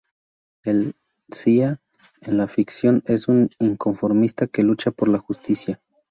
El "xia", en la ficción, es un inconformista que lucha por la justicia.